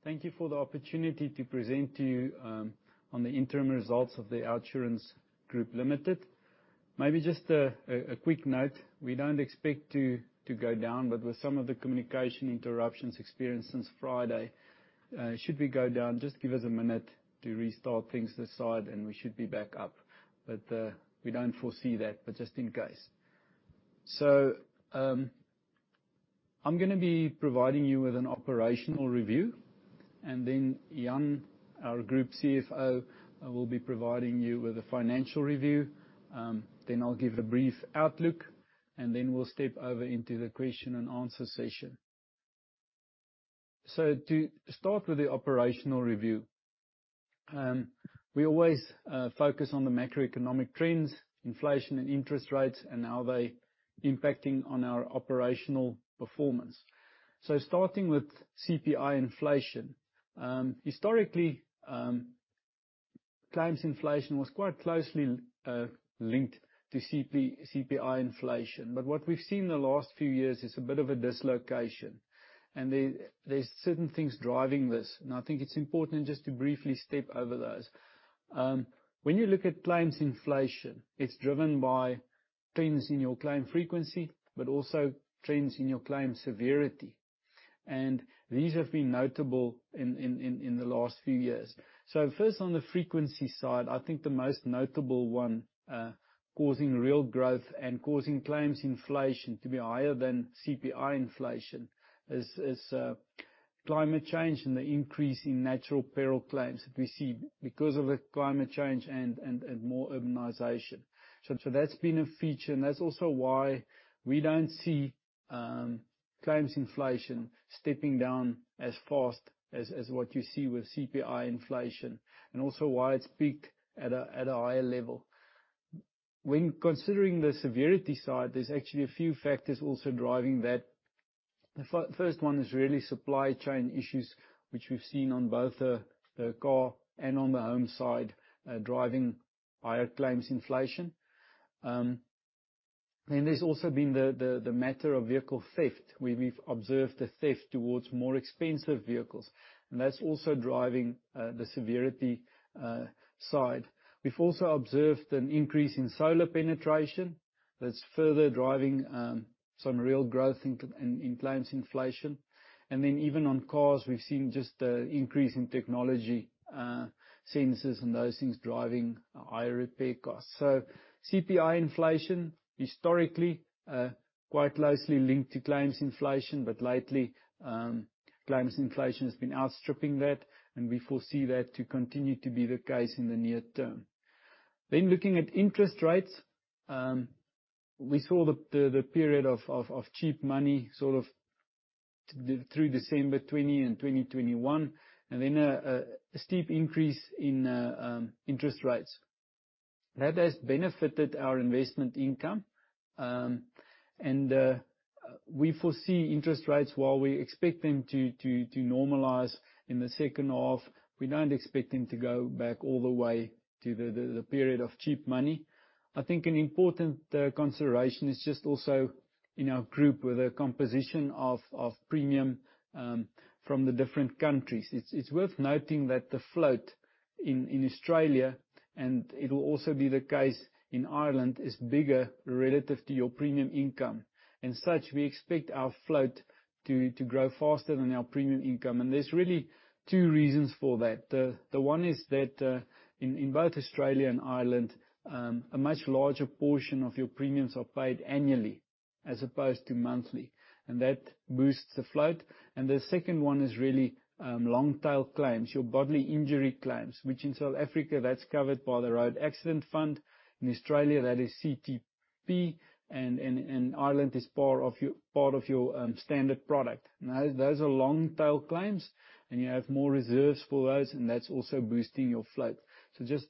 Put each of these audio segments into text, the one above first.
Morning, everyone. Thank you for the opportunity to present to you on the interim results of the OUTsurance Group Limited. Maybe just a quick note: we don't expect to go down, but with some of the communication interruptions experienced since Friday, should we go down, just give us a minute to restart things this side and we should be back up. But, we don't foresee that, but just in case. So, I'm gonna be providing you with an operational review, and then Jan, our Group CFO, will be providing you with a financial review. Then I'll give a brief outlook, and then we'll step over into the question-and-answer session. So to start with the operational review, we always focus on the macroeconomic trends, inflation and interest rates, and how they're impacting on our operational performance. So starting with CPI inflation, historically, claims inflation was quite closely linked to CPI inflation, but what we've seen the last few years is a bit of a dislocation, and there's certain things driving this. And I think it's important just to briefly step over those. When you look at claims inflation, it's driven by trends in your claim frequency, but also trends in your claim severity, and these have been notable in the last few years. So first, on the frequency side, I think the most notable one, causing real growth and causing claims inflation to be higher than CPI inflation is climate change and the increase in natural peril claims that we see because of the climate change and more urbanization. So that's been a feature, and that's also why we don't see claims inflation stepping down as fast as what you see with CPI inflation, and also why it's peaked at a higher level. When considering the severity side, there's actually a few factors also driving that. The first one is really supply chain issues, which we've seen on both the car and on the home side, driving higher claims inflation. Then there's also been the matter of vehicle theft. We've observed the theft towards more expensive vehicles, and that's also driving the severity side. We've also observed an increase in solar penetration that's further driving some real growth in claims inflation. And then even on cars, we've seen just the increase in technology, sensors and those things driving higher repair costs. So CPI inflation, historically, quite closely linked to claims inflation, but lately, claims inflation has been outstripping that, and we foresee that to continue to be the case in the near term. Then looking at interest rates, we saw the period of cheap money sort of through December 2020 and 2021, and then a steep increase in interest rates. That has benefited our investment income, and we foresee interest rates while we expect them to normalize in the second half, we don't expect them to go back all the way to the period of cheap money. I think an important consideration is just also in our group with a composition of premium from the different countries. It's worth noting that the float in Australia, and it'll also be the case in Ireland, is bigger relative to your premium income. As such, we expect our float to grow faster than our premium income, and there's really two reasons for that. The one is that, in both Australia and Ireland, a much larger portion of your premiums are paid annually as opposed to monthly, and that boosts the float. And the second one is really, long-tail claims, your bodily injury claims, which in South Africa that's covered by the Road Accident Fund. In Australia, that is CTP, and Ireland is part of your standard product. Now, those are long-tail claims, and you have more reserves for those, and that's also boosting your float. So just,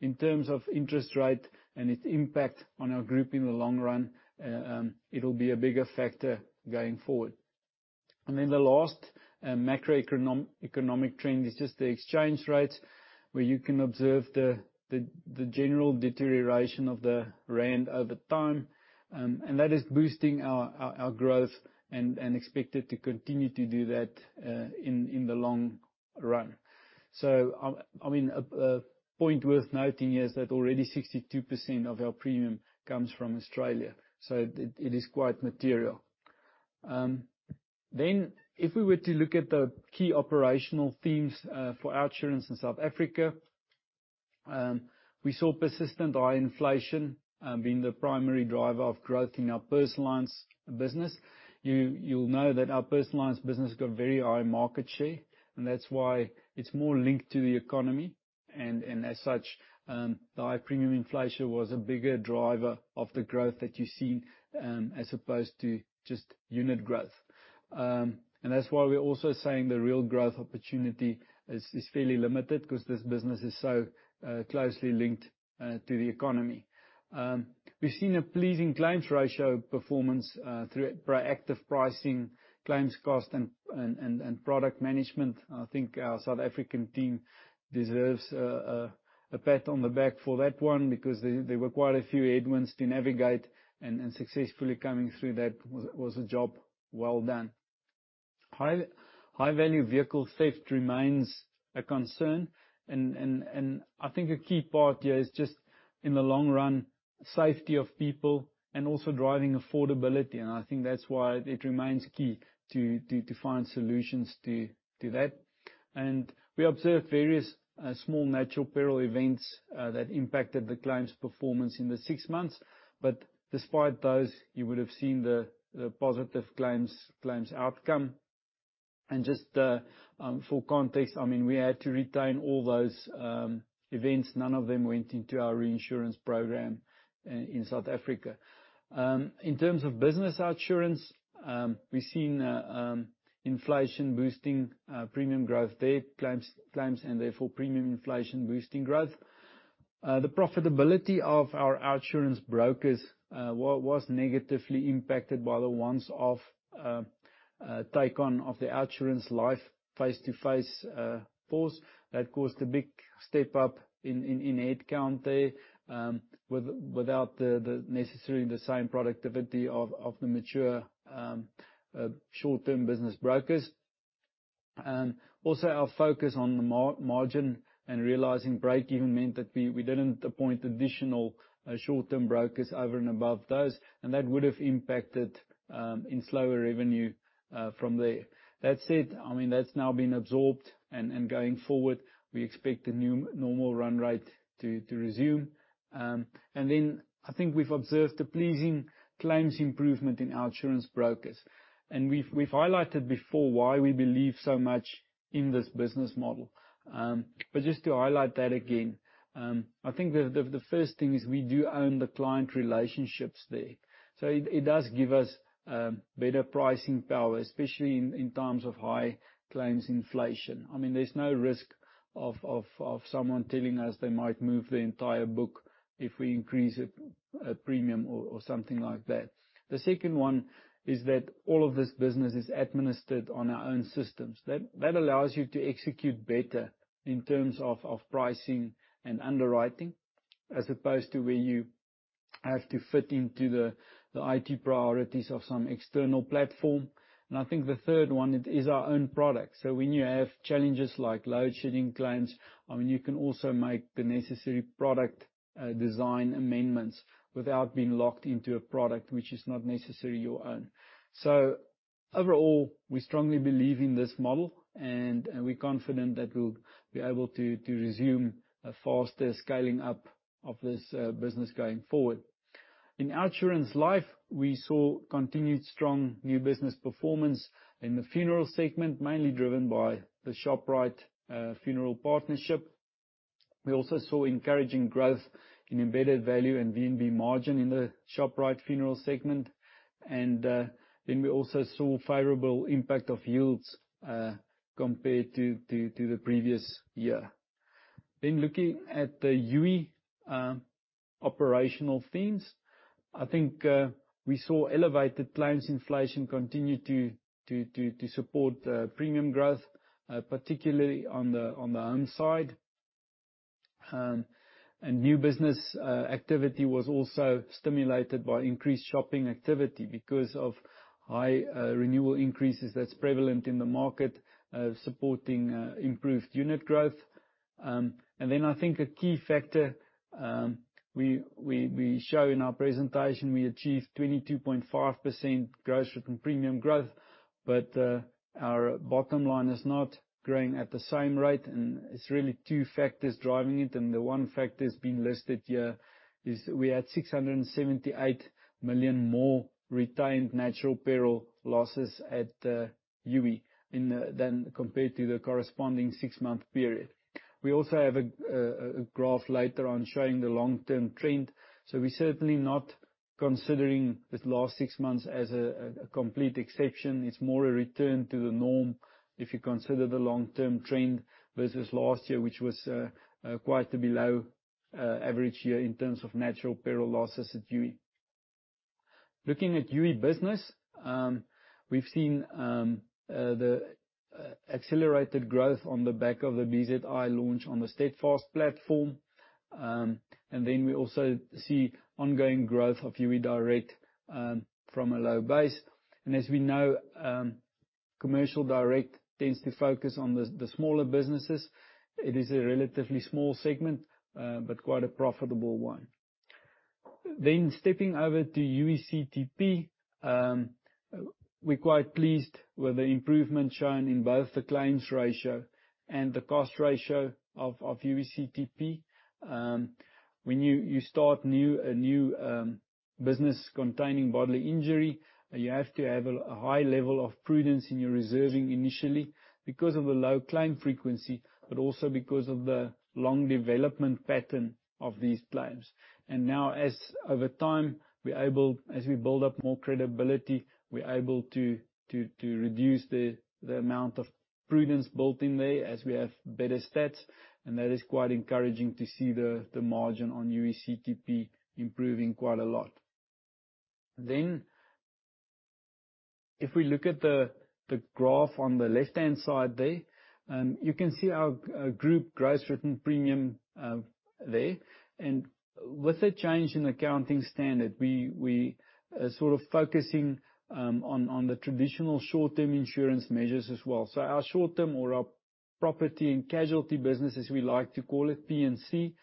in terms of interest rate and its impact on our group in the long run, it'll be a bigger factor going forward. And then the last macroeconomic trend is just the exchange rates, where you can observe the general deterioration of the rand over time, and that is boosting our growth and expected to continue to do that, in the long run. So I mean, a point worth noting here is that already 62% of our premium comes from Australia, so it is quite material. Then if we were to look at the key operational themes for OUTsurance in South Africa, we saw persistent high inflation, being the primary driver of growth in our personal lines business. You'll know that our personal lines business got very high market share, and that's why it's more linked to the economy, and as such, the high premium inflation was a bigger driver of the growth that you've seen, as opposed to just unit growth. That's why we're also saying the real growth opportunity is fairly limited because this business is so closely linked to the economy. We've seen a pleasing claims ratio performance through proactive pricing, claims cost, and product management. I think our South African team deserves a pat on the back for that one because there were quite a few headwinds to navigate, and successfully coming through that was a job well done. High-value vehicle theft remains a concern, and I think a key part here is just in the long run safety of people and also driving affordability, and I think that's why it remains key to find solutions to that. And we observed various small natural peril events that impacted the claims performance in the six months, but despite those, you would have seen the positive claims outcome. And just for context, I mean, we had to retain all those events. None of them went into our reinsurance program in South Africa. In terms of OUTsurance Business, we've seen inflation boosting premium growth there, claims, and therefore premium inflation boosting growth. The profitability of our OUTsurance brokers was negatively impacted by the one-off take-on of the OUTsurance Life face-to-face force. That caused a big step up in headcount there, without the necessary same productivity of the mature short-term business brokers. Also our focus on the margin and realizing break-even meant that we didn't appoint additional short-term brokers over and above those, and that would have impacted in slower revenue from there. That said, I mean, that's now been absorbed, and going forward, we expect the new normal run rate to resume. And then I think we've observed a pleasing claims improvement in OUTsurance brokers, and we've highlighted before why we believe so much in this business model. But just to highlight that again, I think the first thing is we do own the client relationships there. So it does give us better pricing power, especially in times of high claims inflation. I mean, there's no risk of someone telling us they might move the entire book if we increase a premium or something like that. The second one is that all of this business is administered on our own systems. That allows you to execute better in terms of pricing and underwriting as opposed to where you have to fit into the IT priorities of some external platform. And I think the third one, it is our own product. So when you have challenges like load-shedding claims, I mean, you can also make the necessary product design amendments without being locked into a product which is not necessarily your own. So overall, we strongly believe in this model, and we're confident that we'll be able to resume a faster scaling up of this business going forward. In OUTsurance Life, we saw continued strong new business performance in the funeral segment, mainly driven by the Shoprite funeral partnership. We also saw encouraging growth in embedded value and VNB margin in the Shoprite funeral segment, and then we also saw favorable impact of yields, compared to the previous year. Then looking at the Youi operational themes, I think we saw elevated claims inflation continue to support premium growth, particularly on the home side. And new business activity was also stimulated by increased shopping activity because of high renewal increases that's prevalent in the market, supporting improved unit growth. And then I think a key factor we show in our presentation, we achieved 22.5% gross written premium growth, but our bottom line is not growing at the same rate, and it's really two factors driving it. The one factor that's been listed here is we had 678 million more retained natural peril losses at Youi in the than compared to the corresponding six-month period. We also have a graph later on showing the long-term trend. So we're certainly not considering the last six months as a complete exception. It's more a return to the norm if you consider the long-term trend versus last year, which was quite below average here in terms of natural peril losses at Youi. Looking at Youi business, we've seen the accelerated growth on the back of the BZI launch on the Steadfast platform, and then we also see ongoing growth of Youi Direct, from a low base. And as we know, commercial direct tends to focus on the smaller businesses. It is a relatively small segment, but quite a profitable one. Then stepping over to Youi CTP, we're quite pleased with the improvement shown in both the claims ratio and the cost ratio of Youi CTP. When you start a new business containing bodily injury, you have to have a high level of prudence in your reserving initially because of the low claim frequency, but also because of the long development pattern of these claims. And now, as over time we're able, as we build up more credibility, we're able to reduce the amount of prudence built in there as we have better stats, and that is quite encouraging to see the margin on Youi CTP improving quite a lot. Then if we look at the graph on the left-hand side there, you can see our group gross written premium there. And with a change in accounting standard, we sort of focusing on the traditional short-term insurance measures as well. So our short-term or our property and casualty business, as we like to call it, P&C,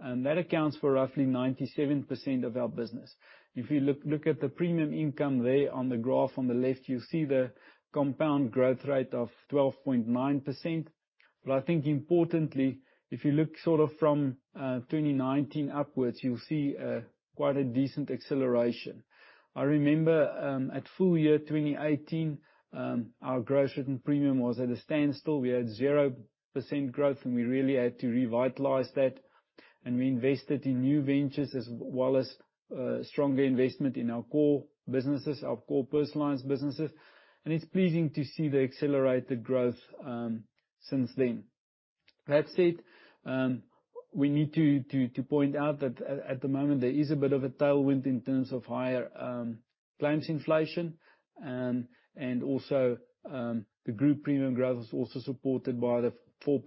that accounts for roughly 97% of our business. If you look at the premium income there on the graph on the left, you'll see the compound growth rate of 12.9%. But I think importantly, if you look sort of from 2019 upwards, you'll see quite a decent acceleration. I remember at full year 2018, our gross written premium was at a standstill. We had 0% growth, and we really had to revitalize that, and we invested in new ventures as well as stronger investment in our core businesses, our core personal lines businesses. And it's pleasing to see the accelerated growth since then. That said, we need to point out that at the moment, there is a bit of a tailwind in terms of higher claims inflation, and also, the group premium growth was also supported by the 4%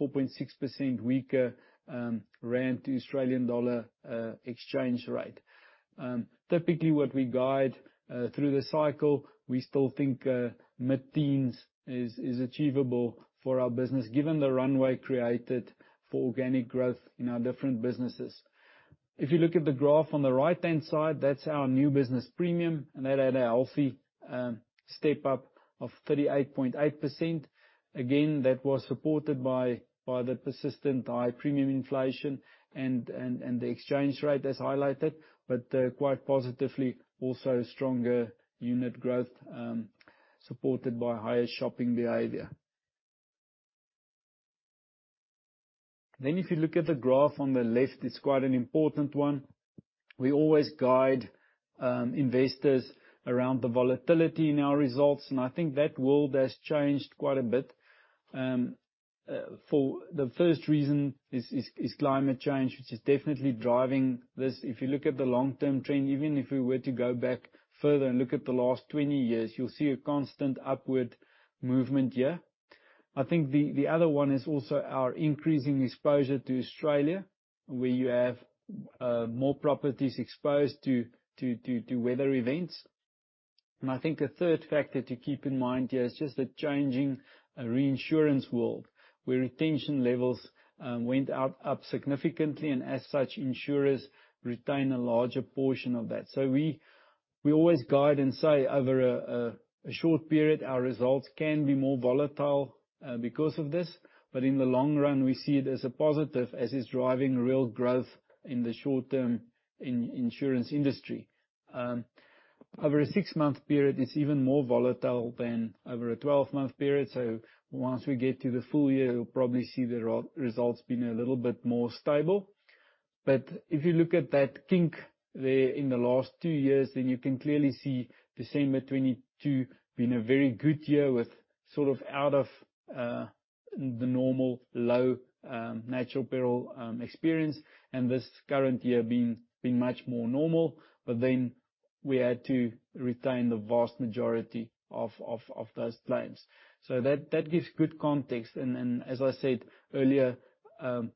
4.6% weaker rand to Australian dollar exchange rate. Typically what we guide, through the cycle, we still think mid-teens is achievable for our business given the runway created for organic growth in our different businesses. If you look at the graph on the right-hand side, that's our new business premium, and that had a healthy step up of 38.8%. Again, that was supported by the persistent high premium inflation and the exchange rate as highlighted, but quite positively also stronger unit growth, supported by higher shopping behavior. Then if you look at the graph on the left, it's quite an important one. We always guide investors around the volatility in our results, and I think that world has changed quite a bit. For the first reason is climate change, which is definitely driving this. If you look at the long-term trend, even if we were to go back further and look at the last 20 years, you'll see a constant upward movement here. I think the other one is also our increasing exposure to Australia, where you have more properties exposed to weather events. And I think a third factor to keep in mind here is just the changing reinsurance world, where retention levels went up significantly, and as such, insurers retain a larger portion of that. So we always guide and say over a short period, our results can be more volatile, because of this, but in the long run, we see it as a positive as it's driving real growth in the short-term insurance industry. Over a six-month period, it's even more volatile than over a 12-month period, so once we get to the full year, you'll probably see our results being a little bit more stable. But if you look at that kink there in the last two years, then you can clearly see December 2022 being a very good year with sort of out-of-the-norm low natural peril experience, and this current year being much more normal. But then we had to retain the vast majority of those claims. So that gives good context, and as I said earlier,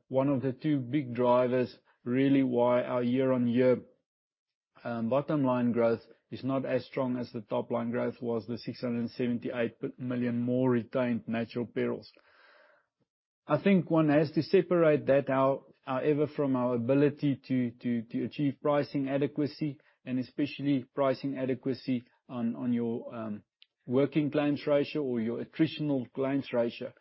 one of the two big drivers really why our year-on-year bottom line growth is not as strong as the top line growth was, the 678 million more retained natural perils. I think one has to separate that, our effort from our ability to achieve pricing adequacy and especially pricing adequacy on your working claims ratio or your attritional claims ratio.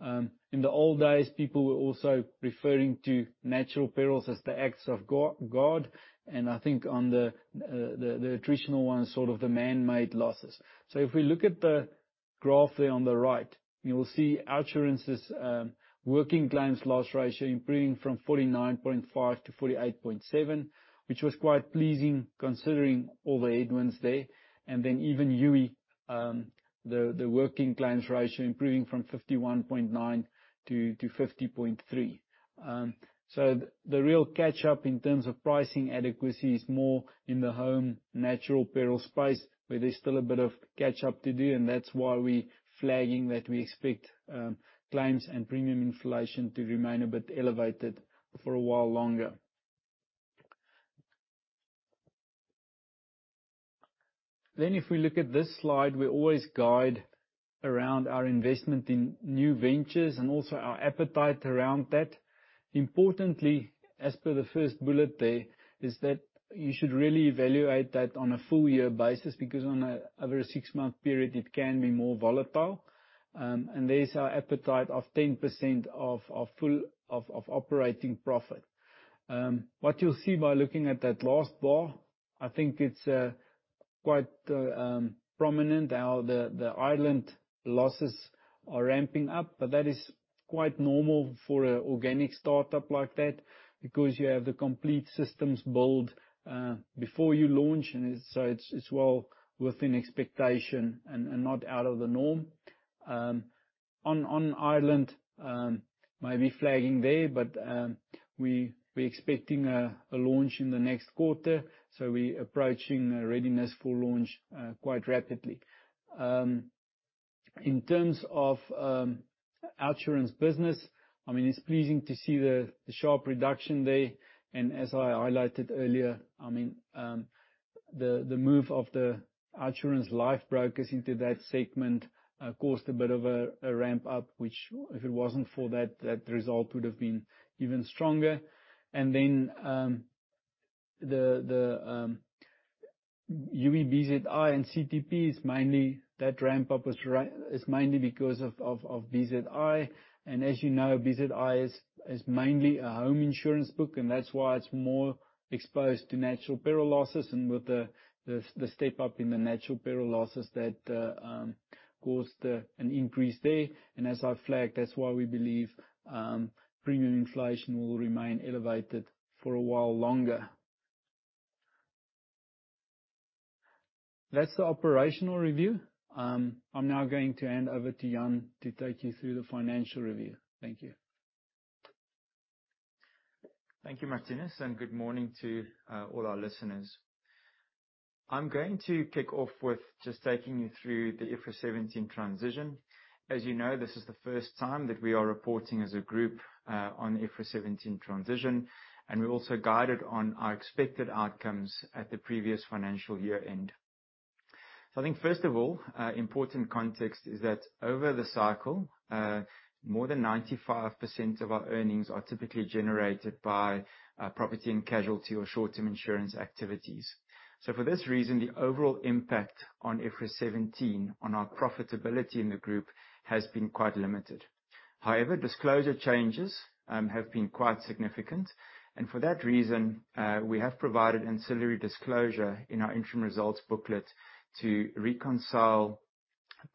In the old days, people were also referring to natural perils as the acts of God, and I think on the attritional one's sort of the man-made losses. So if we look at the graph there on the right, you'll see OUTsurance's working claims loss ratio improving from 49.5-48.7, which was quite pleasing considering all the headwinds there, and then even Youi, the working claims ratio improving from 51.9-50.3. So the real catch-up in terms of pricing adequacy is more in the home natural peril space where there's still a bit of catch-up to do, and that's why we're flagging that we expect claims and premium inflation to remain a bit elevated for a while longer. Then if we look at this slide, we always guide around our investment in new ventures and also our appetite around that. Importantly, as per the first bullet there, is that you should really evaluate that on a full-year basis because over a six-month period, it can be more volatile, and there's our appetite of 10% of full operating profit. What you'll see by looking at that last bar, I think it's quite prominent how the Ireland losses are ramping up, but that is quite normal for an organic startup like that because you have the complete systems build before you launch, and it's well within expectation and not out of the norm. On Ireland, maybe flagging there, but we're expecting a launch in the next quarter, so we're approaching a readiness for launch quite rapidly. In terms of OUTsurance Business, I mean, it's pleasing to see the sharp reduction there, and as I highlighted earlier, I mean, the move of the OUTsurance Life brokers into that segment caused a bit of a ramp-up, which if it wasn't for that, that result would have been even stronger. And then, the UE BZI and CTP is mainly that ramp-up is mainly because of BZI, and as you know, BZI is mainly a home insurance book, and that's why it's more exposed to natural peril losses, and with the step-up in the natural peril losses that caused an increase there. And as I flagged, that's why we believe premium inflation will remain elevated for a while longer. That's the operational review. I'm now going to hand over to Jan to take you through the financial review. Thank you. Thank you, Marthinus, and good morning to all our listeners. I'm going to kick off with just taking you through the IFRS 17 transition. As you know, this is the first time that we are reporting as a group on the IFRS 17 transition, and we're also guided on our expected outcomes at the previous financial year end. So I think first of all, important context is that over the cycle, more than 95% of our earnings are typically generated by property and casualty or short-term insurance activities. So for this reason, the overall impact on IFRS 17 on our profitability in the group has been quite limited. However, disclosure changes have been quite significant, and for that reason, we have provided ancillary disclosure in our interim results booklet to reconcile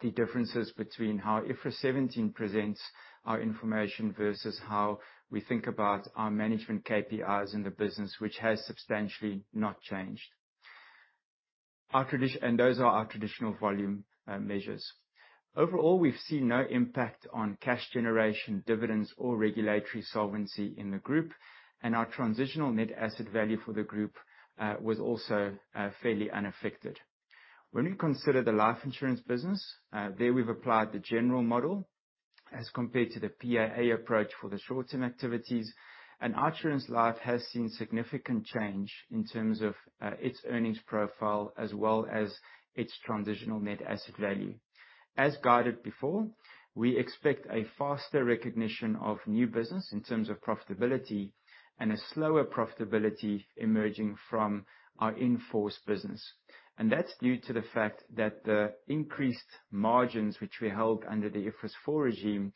the differences between how IFRS 17 presents our information versus how we think about our management KPIs in the business, which has substantially not changed. Our tradition and those are our traditional volume measures. Overall, we've seen no impact on cash generation, dividends, or regulatory solvency in the group, and our transitional net asset value for the group was also fairly unaffected. When we consider the life insurance business, there we've applied the general model as compared to the PAA approach for the short-term activities, and OUTsurance Life has seen significant change in terms of its earnings profile as well as its transitional net asset value. As guided before, we expect a faster recognition of new business in terms of profitability and a slower profitability emerging from our in-force business, and that's due to the fact that the increased margins which were held under the IFRS 4 regime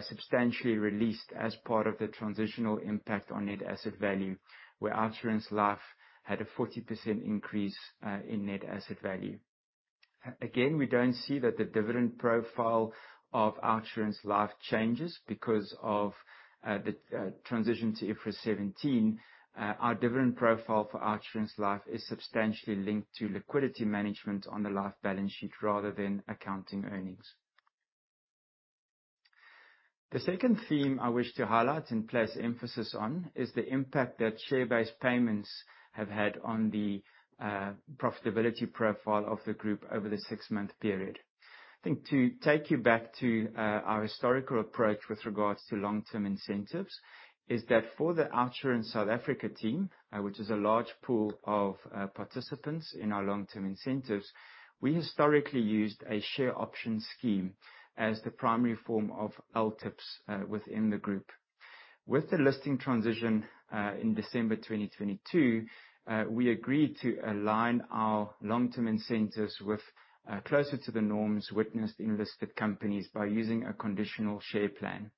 substantially released as part of the transitional impact on net asset value, where OUTsurance Life had a 40% increase in net asset value. Again, we don't see that the dividend profile of OUTsurance Life changes because of the transition to IFRS 17. Our dividend profile for OUTsurance Life is substantially linked to liquidity management on the life balance sheet rather than accounting earnings. The second theme I wish to highlight and place emphasis on is the impact that share-based payments have had on the profitability profile of the group over the six-month period. I think to take you back to our historical approach with regards to long-term incentives is that for the OUTsurance South Africa team, which is a large pool of participants in our long-term incentives, we historically used a share option scheme as the primary form of LTIPs within the group. With the listing transition in December 2022, we agreed to align our long-term incentives with closer to the norms witnessed in listed companies by using a conditional share plan.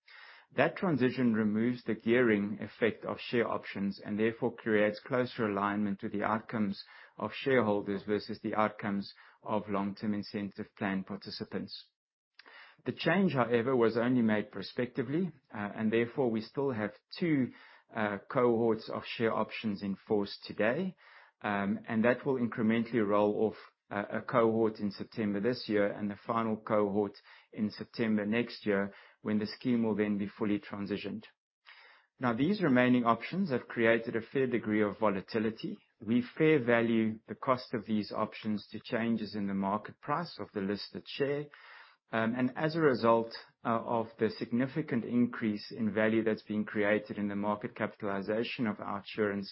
That transition removes the gearing effect of share options and therefore creates closer alignment to the outcomes of shareholders versus the outcomes of long-term incentive plan participants. The change, however, was only made prospectively, and therefore we still have two cohorts of share options enforced today, and that will incrementally roll off, a cohort in September this year and the final cohort in September next year when the scheme will then be fully transitioned. Now, these remaining options have created a fair degree of volatility. We fair value the cost of these options to changes in the market price of the listed share, and as a result, of the significant increase in value that's been created in the market capitalization of OUTsurance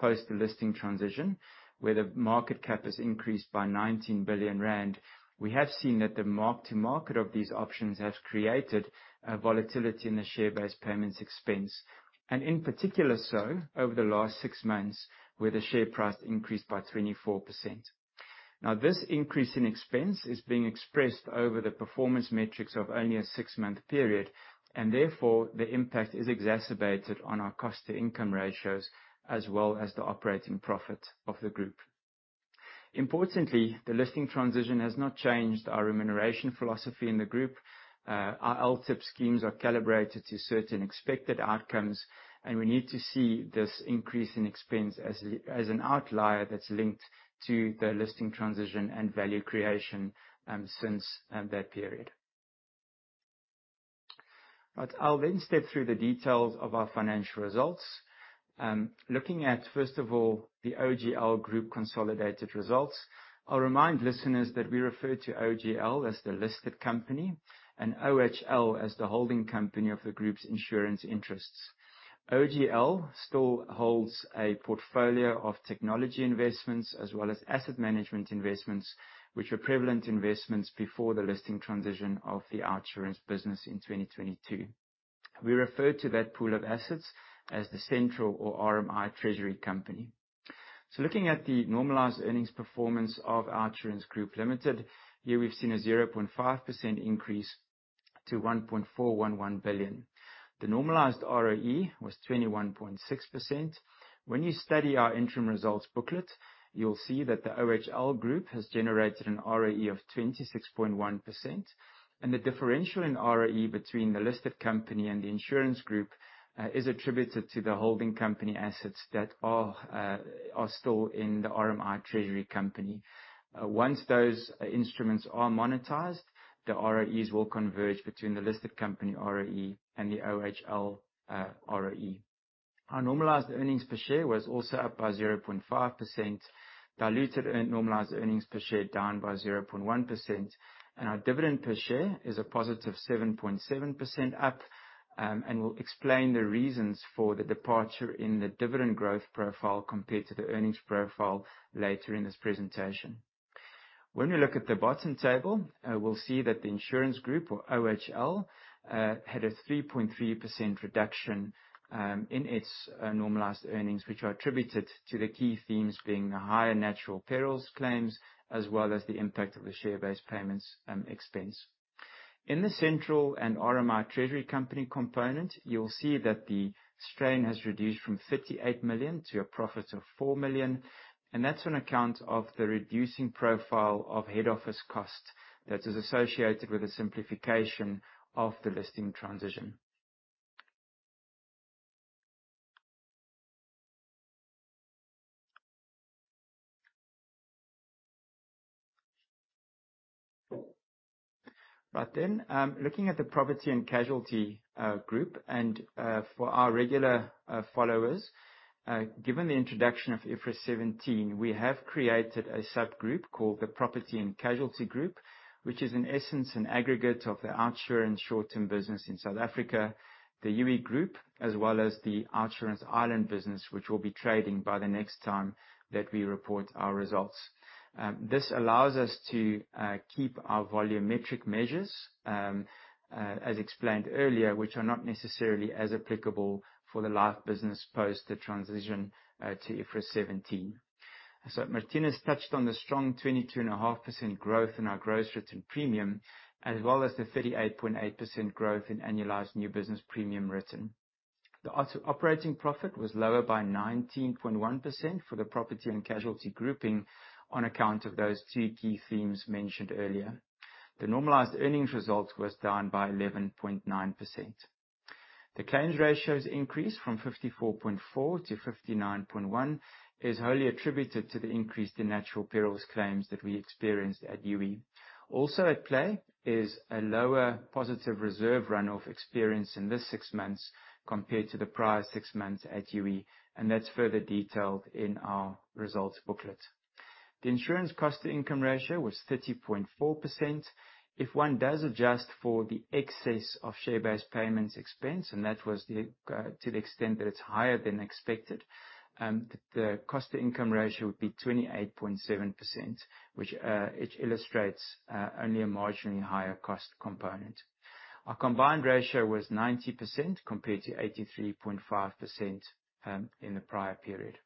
post the listing transition, where the market cap has increased by 19 billion rand, we have seen that the mark-to-market of these options has created a volatility in the share-based payments expense, and in particular so over the last six months where the share price increased by 24%. Now, this increase in expense is being expressed over the performance metrics of only a six-month period, and therefore the impact is exacerbated on our cost-to-income ratios as well as the operating profit of the group. Importantly, the listing transition has not changed our remuneration philosophy in the group. Our LTIP schemes are calibrated to certain expected outcomes, and we need to see this increase in expense as well as an outlier that's linked to the listing transition and value creation, since that period. But I'll then step through the details of our financial results. Looking at, first of all, the OGL Group consolidated results, I'll remind listeners that we refer to OGL as the listed company and OHL as the holding company of the group's insurance interests. OGL still holds a portfolio of technology investments as well as asset management investments, which were prevalent investments before the listing transition of the OUTsurance business in 2022. We refer to that pool of assets as the central or RMI Treasury Company. So looking at the normalized earnings performance of OUTsurance Group Limited, here we've seen a 0.5% increase to 1.411 billion. The normalized ROE was 21.6%. When you study our interim results booklet, you'll see that the OHL Group has generated an ROE of 26.1%, and the differential in ROE between the listed company and the insurance group is attributed to the holding company assets that are still in the RMI Treasury Company. Once those instruments are monetized, the ROEs will converge between the listed company ROE and the OHL ROE. Our normalized earnings per share was also up by 0.5%, diluted earned normalized earnings per share down by 0.1%, and our dividend per share is a positive 7.7% up, and we'll explain the reasons for the departure in the dividend growth profile compared to the earnings profile later in this presentation. When we look at the bottom table, we'll see that the insurance group, or OHL, had a 3.3% reduction in its normalized earnings, which are attributed to the key themes being the higher natural perils claims as well as the impact of the share-based payments expense. In the central and RMI Treasury Company component, you'll see that the strain has reduced from 58 million to a profit of 4 million, and that's on account of the reducing profile of head office costs that is associated with a simplification of the listing transition. Right then, looking at the property and casualty group, and, for our regular followers, given the introduction of IFRS 17, we have created a subgroup called the property and casualty group, which is in essence an aggregate of the OUTsurance short-term business in South Africa, the UE Group, as well as the OUTsurance Ireland business, which will be trading by the next time that we report our results. This allows us to keep our volumetric measures, as explained earlier, which are not necessarily as applicable for the life business post the transition to IFRS 17. So Marthinus touched on the strong 22.5% growth in our gross written premium as well as the 38.8% growth in annualized new business premium written. The operating profit was lower by 19.1% for the property and casualty grouping on account of those two key themes mentioned earlier. The normalized earnings result was down by 11.9%. The claims ratios increase from 54.4% to 59.1% is wholly attributed to the increase in natural perils claims that we experienced at UE. Also at play is a lower positive reserve run-off experience in this six months compared to the prior six months at UE, and that's further detailed in our results booklet. The insurance cost-to-income ratio was 30.4%. If one does adjust for the excess of share-based payments expense, and that was the, to the extent that it's higher than expected, the cost-to-income ratio would be 28.7%, which, it illustrates, only a marginally higher cost component. Our combined ratio was 90% compared to 83.5%, in the prior period.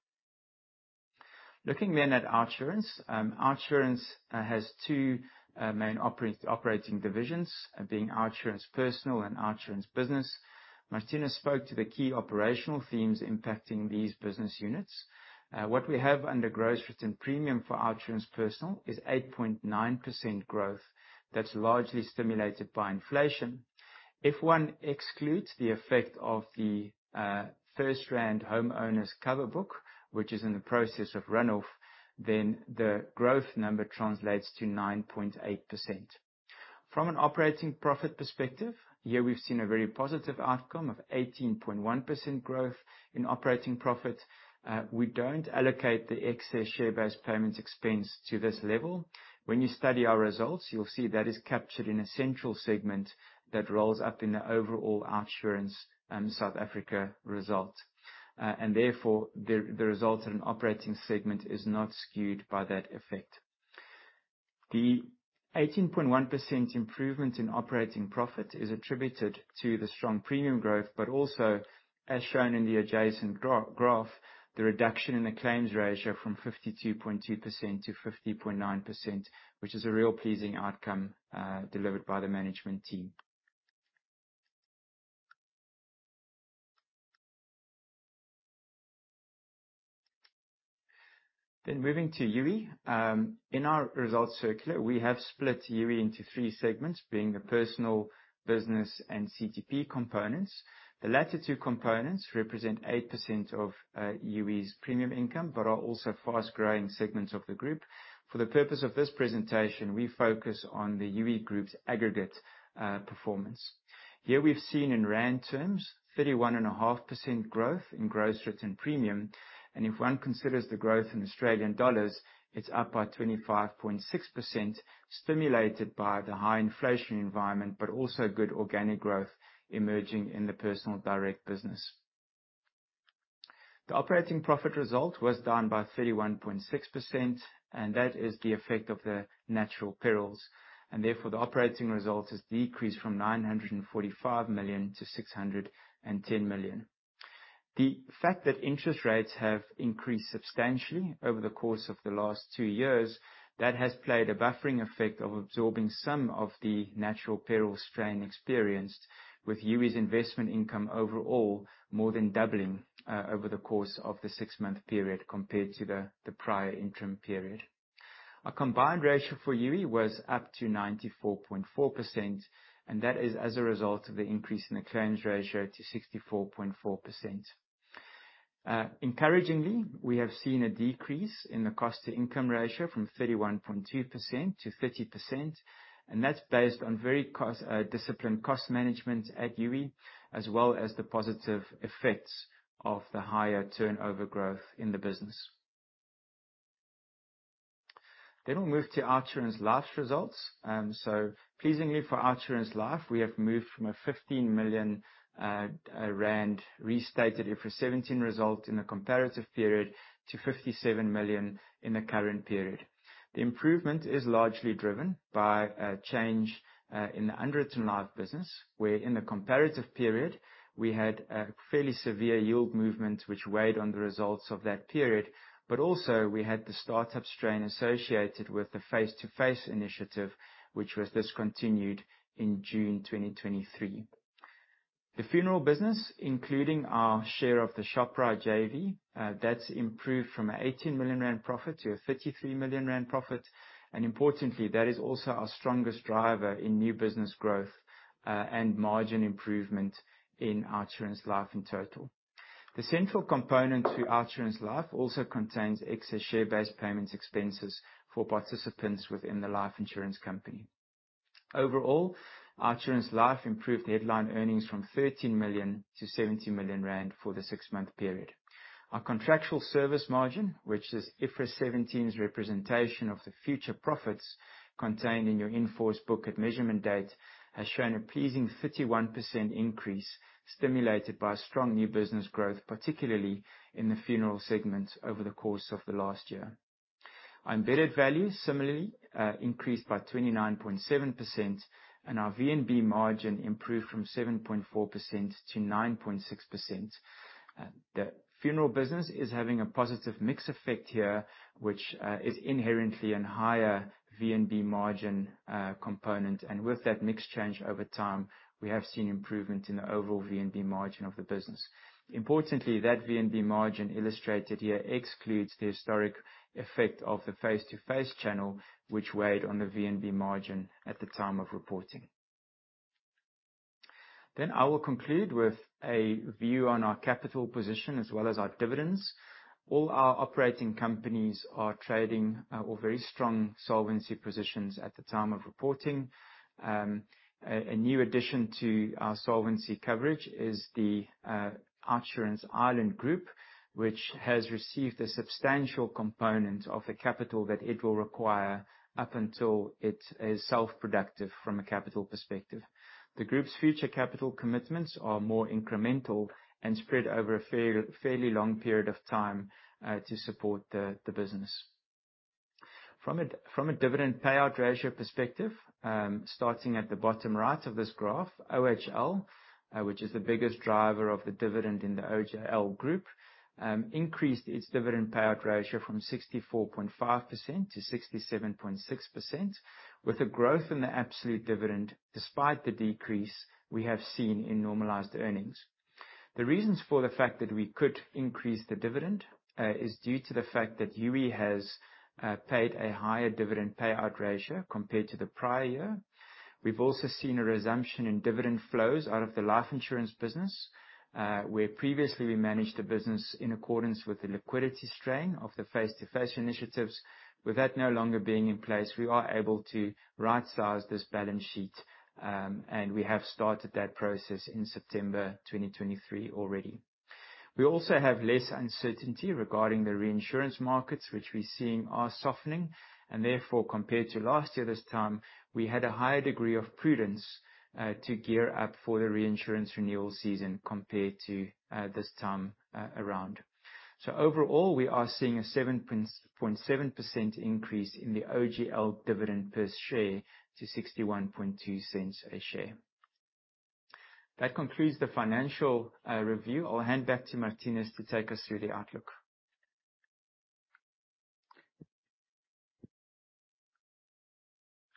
Looking then at OUTsurance, OUTsurance, has two, main operating divisions, being OUTsurance Personal and OUTsurance Business. Marthinus spoke to the key operational themes impacting these business units. What we have under gross written premium for OUTsurance Personal is 8.9% growth that's largely stimulated by inflation. If one excludes the effect of the FirstRand homeowners cover book, which is in the process of run-off, then the growth number translates to 9.8%. From an operating profit perspective, here we've seen a very positive outcome of 18.1% growth in operating profit. We don't allocate the excess share-based payments expense to this level. When you study our results, you'll see that is captured in a central segment that rolls up in the overall OUTsurance South Africa result, and therefore the result in an operating segment is not skewed by that effect. The 18.1% improvement in operating profit is attributed to the strong premium growth, but also, as shown in the adjacent growth graph, the reduction in the claims ratio from 52.2% to 50.9%, which is a really pleasing outcome, delivered by the management team. Then moving to UE, in our results circular, we have split UE into three segments, being the personal, business, and CTP components. The latter two components represent 8% of UE's premium income but are also fast-growing segments of the group. For the purpose of this presentation, we focus on the UE Group's aggregate performance. Here we've seen in Rand terms 31.5% growth in gross written premium, and if one considers the growth in Australian dollars, it's up by 25.6% stimulated by the high inflation environment but also good organic growth emerging in the personal direct business. The operating profit result was down by 31.6%, and that is the effect of the natural perils, and therefore the operating result has decreased from 945 million to 610 million. The fact that interest rates have increased substantially over the course of the last two years, that has played a buffering effect of absorbing some of the natural perils strain experienced, with UE's investment income overall more than doubling, over the course of the six-month period compared to the prior interim period. Our combined ratio for UE was up to 94.4%, and that is as a result of the increase in the claims ratio to 64.4%. Encouragingly, we have seen a decrease in the cost-to-income ratio from 31.2%-30%, and that's based on very cost-disciplined cost management at UE as well as the positive effects of the higher turnover growth in the business. Then we'll move to OUTsurance Life's results. So pleasingly for OUTsurance Life, we have moved from a 15 million rand restated IFRS 17 result in the comparative period to 57 million in the current period. The improvement is largely driven by a change in the underwritten life business, where in the comparative period we had a fairly severe yield movement which weighed on the results of that period, but also we had the startup strain associated with the face-to-face initiative, which was discontinued in June 2023. The funeral business, including our share of the Shoprite JV, that's improved from a 18 million rand profit to a 33 million rand profit, and importantly, that is also our strongest driver in new business growth, and margin improvement in OUTsurance Life in total. The central component to OUTsurance Life also contains excess share-based payments expenses for participants within the life insurance company. Overall, OUTsurance Life improved headline earnings from 13 million to 70 million rand for the six-month period. Our contractual service margin, which is IFRS 17's representation of the future profits contained in your in-force book at measurement date, has shown a pleasing 31% increase stimulated by strong new business growth, particularly in the funeral segment over the course of the last year. Our embedded value, similarly, increased by 29.7%, and our VNB margin improved from 7.4% to 9.6%. The funeral business is having a positive mix effect here, which is inherently a higher VNB margin component, and with that mix change over time, we have seen improvement in the overall VNB margin of the business. Importantly, that VNB margin illustrated here excludes the historic effect of the face-to-face channel, which weighed on the VNB margin at the time of reporting. Then I will conclude with a view on our capital position as well as our dividends. All our operating companies are trading in very strong solvency positions at the time of reporting. A new addition to our solvency coverage is the OUTsurance Ireland, which has received a substantial component of the capital that it will require up until it is self-productive from a capital perspective. The group's future capital commitments are more incremental and spread over a fairly long period of time, to support the business. From a dividend payout ratio perspective, starting at the bottom right of this graph, OHL, which is the biggest driver of the dividend in the OGL Group, increased its dividend payout ratio from 64.5% to 67.6%, with a growth in the absolute dividend despite the decrease we have seen in normalized earnings. The reasons for the fact that we could increase the dividend, is due to the fact that UE has, paid a higher dividend payout ratio compared to the prior year. We've also seen a resumption in dividend flows out of the life insurance business, where previously we managed the business in accordance with the liquidity strain of the face-to-face initiatives. With that no longer being in place, we are able to right-size this balance sheet, and we have started that process in September 2023 already. We also have less uncertainty regarding the reinsurance markets, which we're seeing are softening, and therefore, compared to last year, this time we had a higher degree of prudence, to gear up for the reinsurance renewal season compared to, this time, around. So overall, we are seeing a 7.7% increase in the OGL dividend per share to 0.612 per share. That concludes the financial review. I'll hand back to Marthinus to take us through the outlook.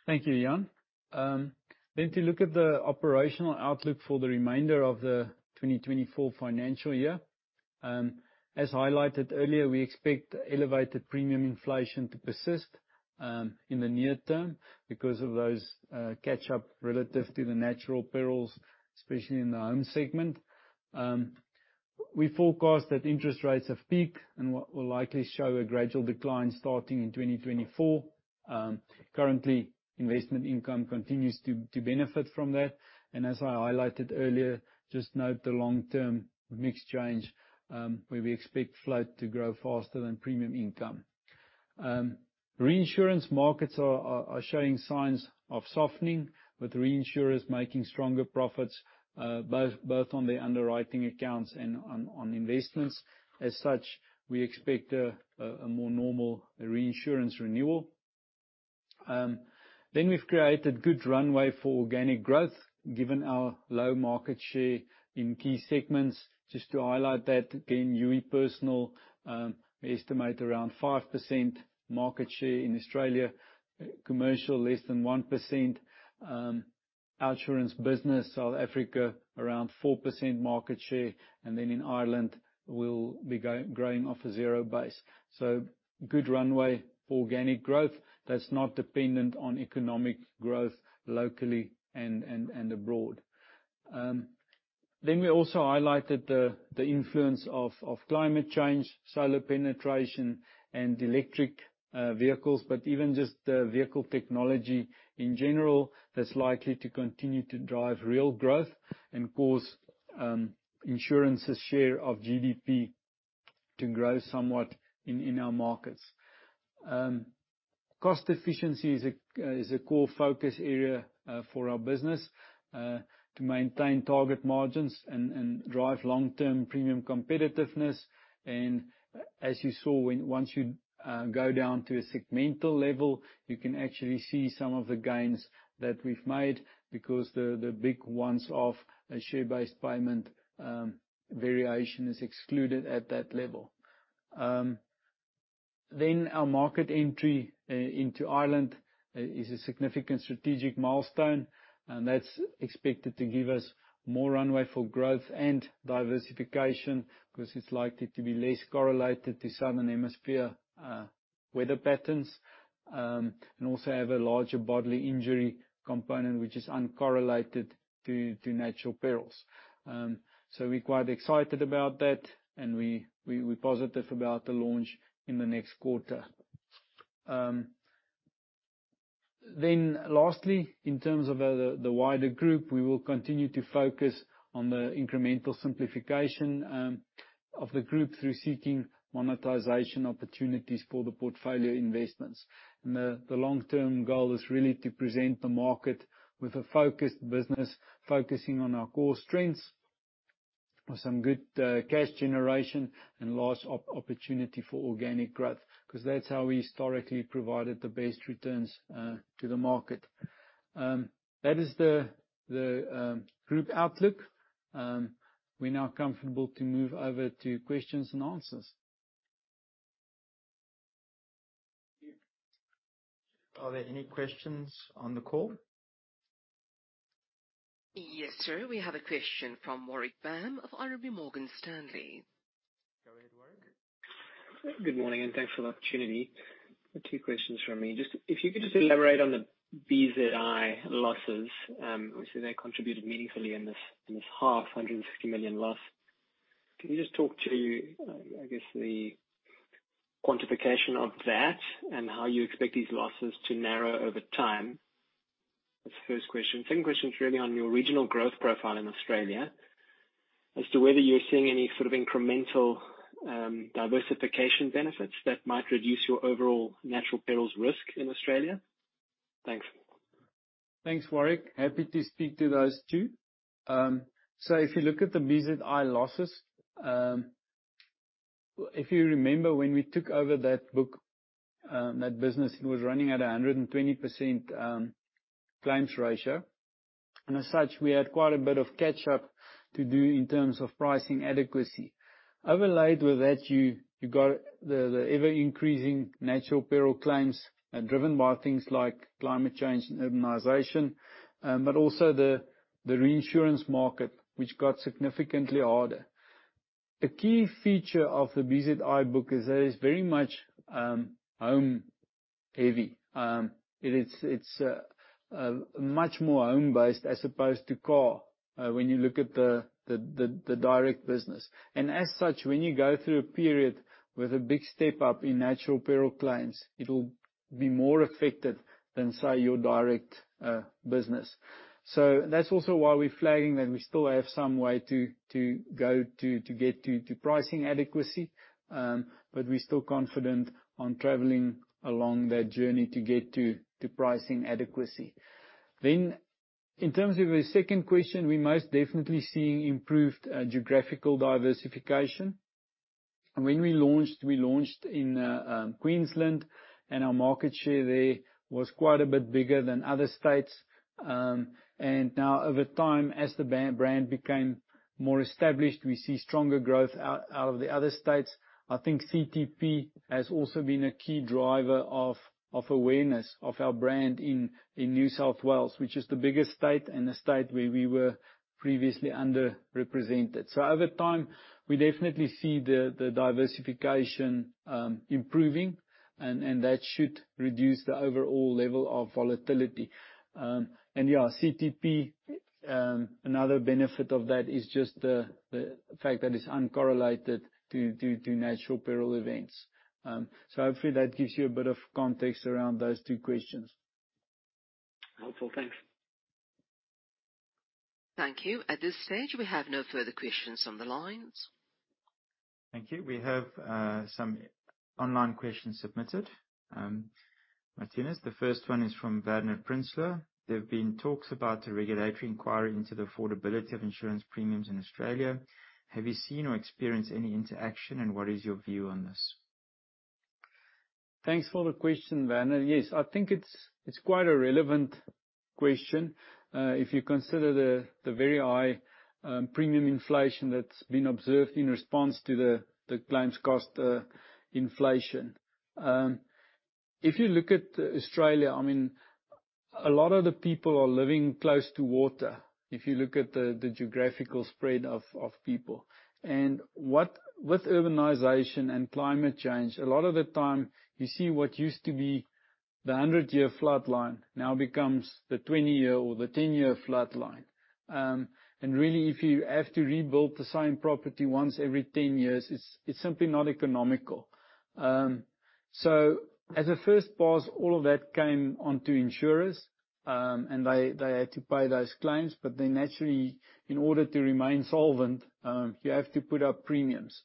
Thank you, Jan. Then, to look at the operational outlook for the remainder of the 2024 financial year, as highlighted earlier, we expect elevated premium inflation to persist in the near term because of those catch-up relative to the natural perils, especially in the home segment. We forecast that interest rates have peaked and what will likely show a gradual decline starting in 2024. Currently, investment income continues to benefit from that, and as I highlighted earlier, just note the long-term mix change, where we expect float to grow faster than premium income. Reinsurance markets are showing signs of softening, with reinsurers making stronger profits, both on their underwriting accounts and on investments. As such, we expect a more normal reinsurance renewal. Then we've created good runway for organic growth given our low market share in key segments. Just to highlight that, again, Youi Personal, we estimate around 5% market share in Australia, commercial less than 1%, OUTsurance Business South Africa around 4% market share, and then in Ireland we'll be growing off a zero base. So good runway for organic growth that's not dependent on economic growth locally and abroad. Then we also highlighted the influence of climate change, solar penetration, and electric vehicles, but even just the vehicle technology in general that's likely to continue to drive real growth and cause insurance's share of GDP to grow somewhat in our markets. Cost efficiency is a core focus area for our business to maintain target margins and drive long-term premium competitiveness. As you saw, when once you go down to a segmental level, you can actually see some of the gains that we've made because the big ones of a share-based payment variation is excluded at that level. Then our market entry into Ireland is a significant strategic milestone, and that's expected to give us more runway for growth and diversification because it's likely to be less correlated to southern hemisphere weather patterns, and also have a larger bodily injury component which is uncorrelated to natural perils. So we're quite excited about that, and we're positive about the launch in the next quarter. Then lastly, in terms of the wider group, we will continue to focus on the incremental simplification of the group through seeking monetization opportunities for the portfolio investments. The long-term goal is really to present the market with a focused business focusing on our core strengths with some good cash generation and large opportunity for organic growth because that's how we historically provided the best returns to the market. That is the group outlook. We're now comfortable to move over to questions and answers. Are there any questions on the call? Yes, sir. We have a question from Warwick Bam of RMB Morgan Stanley. Go ahead, Warwick. Good morning, and thanks for the opportunity. Two questions from me. Just if you could just elaborate on the BZI losses, obviously they contributed meaningfully in this half, 150 million loss. Can you just talk to, I guess, the quantification of that and how you expect these losses to narrow over time? That's the first question. Second question's really on your regional growth profile in Australia as to whether you're seeing any sort of incremental, diversification benefits that might reduce your overall natural perils risk in Australia. Thanks. Thanks, Warwick. Happy to speak to those two. So if you look at the BZI losses, if you remember when we took over that book, that business, it was running at a 120% claims ratio, and as such, we had quite a bit of catch-up to do in terms of pricing adequacy. Overlaid with that, you got the ever-increasing natural peril claims, driven by things like climate change and urbanization, but also the reinsurance market which got significantly harder. A key feature of the BZI book is that it's very much home-heavy. It's much more home-based as opposed to car, when you look at the direct business. And as such, when you go through a period with a big step up in natural peril claims, it'll be more affected than, say, your direct business. So that's also why we're flagging that we still have some way to go to get to pricing adequacy, but we're still confident on traveling along that journey to get to pricing adequacy. Then in terms of the second question, we're most definitely seeing improved geographical diversification. When we launched, we launched in Queensland, and our market share there was quite a bit bigger than other states. And now over time, as the brand became more established, we see stronger growth out of the other states. I think CTP has also been a key driver of, of awareness of our brand in, in New South Wales, which is the biggest state and the state where we were previously underrepresented. So over time, we definitely see the, the diversification, improving, and, and that should reduce the overall level of volatility. Yeah, CTP, another benefit of that is just the, the fact that it's uncorrelated to, to, to natural peril events. Hopefully that gives you a bit of context around those two questions. Helpful. Thanks. Thank you. At this stage, we have no further questions on the lines. Thank you. We have some online questions submitted. Marthinus, the first one is from Werner Prinsloo. There've been talks about a regulatory inquiry into the affordability of insurance premiums in Australia. Have you seen or experienced any interaction, and what is your view on this? Thanks for the question, Werner. Yes, I think it's, it's quite a relevant question, if you consider the, the very high premium inflation that's been observed in response to the, the claims cost inflation. If you look at Australia, I mean, a lot of the people are living close to water if you look at the, the geographical spread of, of people. And what with urbanization and climate change, a lot of the time you see what used to be the 100-year flood line now becomes the 20-year or the 10-year flood line. And really, if you have to rebuild the same property once every 10 years, it's, it's simply not economical. So as a first pass, all of that came onto insurers, and they, they had to pay those claims, but then naturally, in order to remain solvent, you have to put up premiums.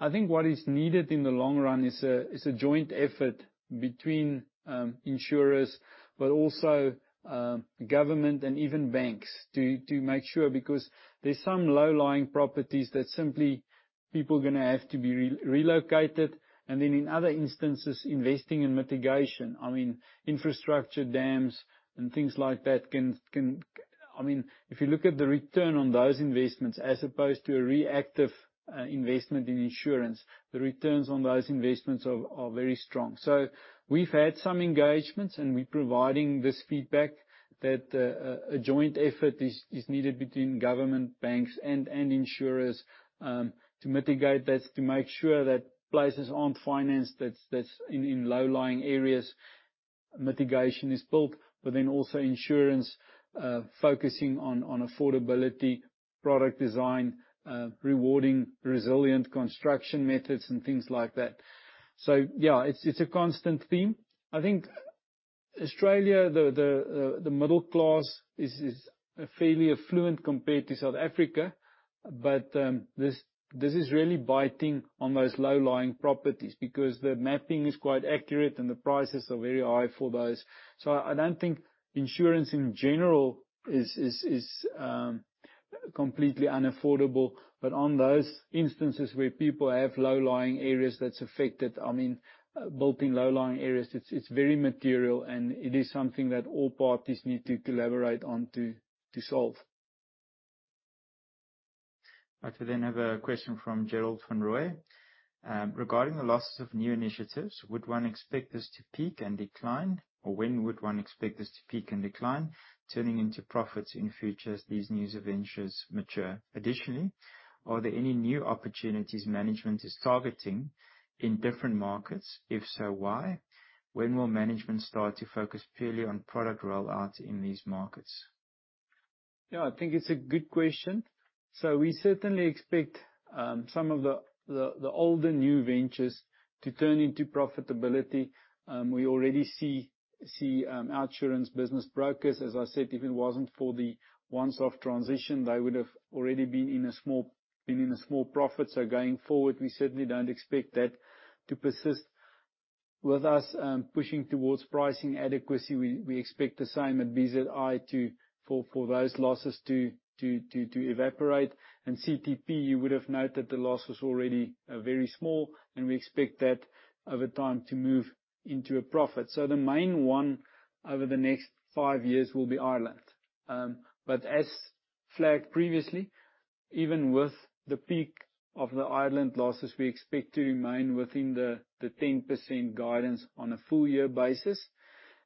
I think what is needed in the long run is a joint effort between insurers but also government and even banks to make sure because there's some low-lying properties that simply people are gonna have to be relocated. And then in other instances, investing in mitigation, I mean, infrastructure, dams, and things like that can I mean, if you look at the return on those investments as opposed to a reactive investment in insurance, the returns on those investments are very strong. So we've had some engagements, and we're providing this feedback that a joint effort is needed between government, banks, and insurers to mitigate that, to make sure that places aren't financed, that's in low-lying areas, mitigation is built, but then also insurance focusing on affordability, product design, rewarding resilient construction methods, and things like that. So yeah, it's a constant theme. I think Australia, the middle class is fairly affluent compared to South Africa, but this is really biting on those low-lying properties because the mapping is quite accurate and the prices are very high for those. So I don't think insurance in general is completely unaffordable, but on those instances where people have low-lying areas that's affected, I mean, built-in low-lying areas, it's very material, and it is something that all parties need to collaborate on to solve. All right. We then have a question from Gerhard van Rooyen regarding the losses of new initiatives. Would one expect this to peak and decline, or when would one expect this to peak and decline, turning into profits in future as these new ventures mature? Additionally, are there any new opportunities management is targeting in different markets? If so, why? When will management start to focus purely on product rollout in these markets? Yeah, I think it's a good question. So we certainly expect some of the older new ventures to turn into profitability. We already see OUTsurance Business Brokers, as I said, if it wasn't for the once-off transition, they would have already been in a small profit. So going forward, we certainly don't expect that to persist. With us pushing towards pricing adequacy, we expect the same at BZI for those losses to evaporate. And CTP, you would have noted the loss was already very small, and we expect that over time to move into a profit. So the main one over the next five years will be Ireland. but as flagged previously, even with the peak of the Ireland losses, we expect to remain within the 10% guidance on a full-year basis.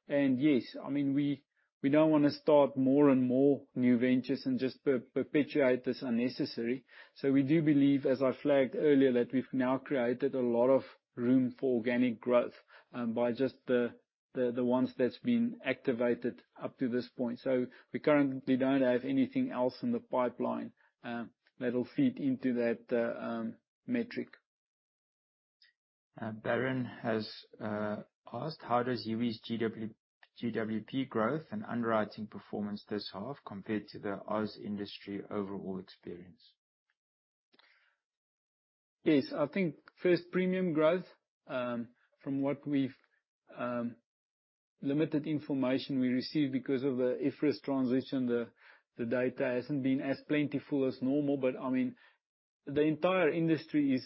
And yes, I mean, we don't wanna start more and more new ventures and just perpetuate this unnecessary. So we do believe, as I flagged earlier, that we've now created a lot of room for organic growth, by just the ones that's been activated up to this point. So we currently don't have anything else in the pipeline, that'll feed into that metric. Baron has asked, how does Youi's GWP growth and underwriting performance this half compare to the Aussie industry overall experience? Yes, I think first, premium growth. From what we've limited information we received because of the IFRS transition, the data hasn't been as plentiful as normal, but I mean, the entire industry is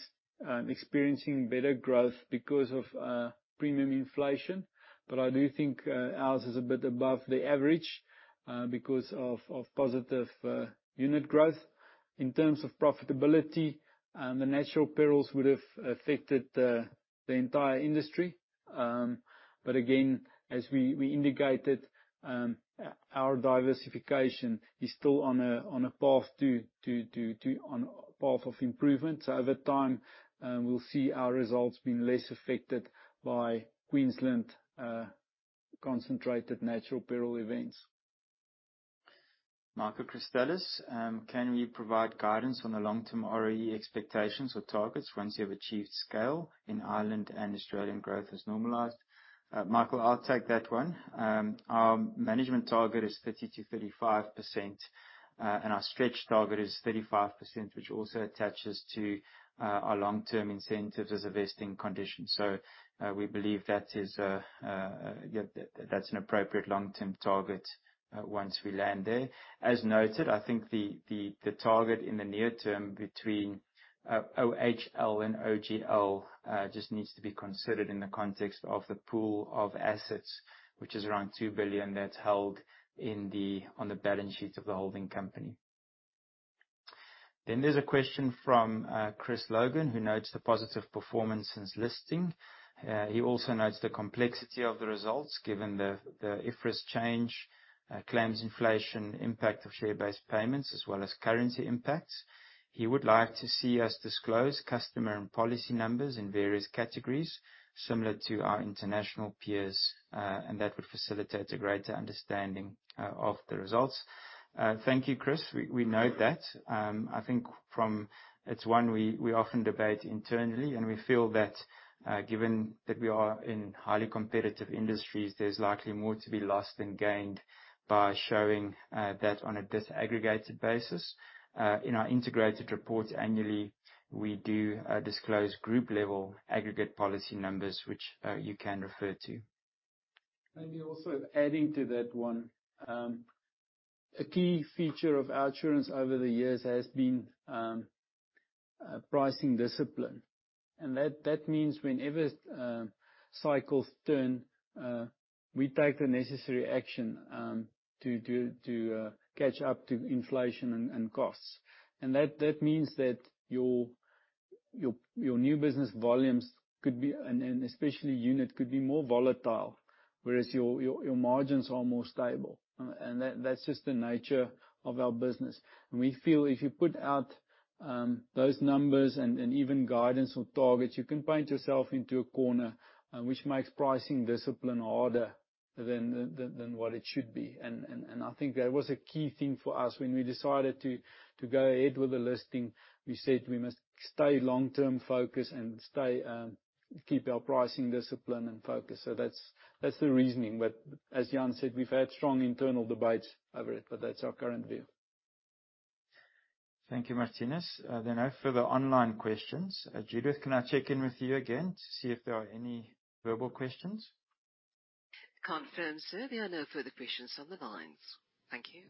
experiencing better growth because of premium inflation. But I do think OUTs is a bit above the average because of positive unit growth. In terms of profitability, the natural perils would have affected the entire industry, but again, as we indicated, our diversification is still on a path of improvement. So over time, we'll see our results being less affected by Queensland-concentrated natural peril events. Michael Christelis, can you provide guidance on the long-term ROE expectations or targets once you have achieved scale in Ireland and Australian growth has normalized? Michael, I'll take that one. Our management target is 30%-35%, and our stretch target is 35%, which also attaches to our long-term incentives as a vesting condition. So, we believe that is, yeah, that's an appropriate long-term target once we land there. As noted, I think the target in the near term between OHL and OGL just needs to be considered in the context of the pool of assets, which is around 2 billion, that's held on the balance sheet of the holding company. Then there's a question from Chris Logan, who notes the positive performance since listing. He also notes the complexity of the results given the IFRS change, claims inflation, impact of share-based payments, as well as currency impacts. He would like to see us disclose customer and policy numbers in various categories similar to our international peers. and that would facilitate a greater understanding of the results. Thank you, Chris. We note that. I think it's one we often debate internally, and we feel that, given that we are in highly competitive industries, there's likely more to be lost than gained by showing that on a disaggregated basis. In our integrated reports annually, we do disclose group-level aggregate policy numbers, which you can refer to. Maybe also adding to that, one key feature of OUTsurance over the years has been pricing discipline. And that means that whenever cycles turn, we take the necessary action to catch up to inflation and costs. And that means that your new business volumes could be, and especially unit, more volatile, whereas your margins are more stable. And that's just the nature of our business. We feel if you put out those numbers and even guidance or targets, you can paint yourself into a corner, which makes pricing discipline harder than what it should be. And I think that was a key thing for us. When we decided to go ahead with the listing, we said we must stay long-term focused and keep our pricing discipline and focus. So that's the reasoning. But as Jan said, we've had strong internal debates over it, but that's our current view. Thank you, Marthinus. Then I have further online questions. Judith, can I check in with you again to see if there are any verbal questions? Confirm, sir. There are no further questions on the lines. Thank you.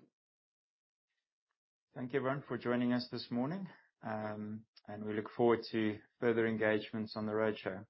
Thank you, everyone, for joining us this morning. And we look forward to further engagements on the roadshow.